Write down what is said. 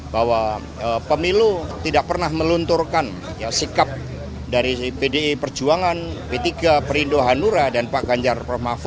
bahwa pemilu tidak pernah melunturkan sikap dari pdi perjuangan p tiga perindo hanura dan pak ganjar permafa